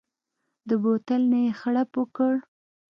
د بوتل نه يې غړپ وکړ.